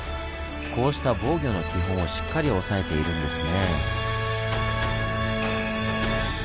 こうした防御の基本をしっかり押さえているんですねぇ。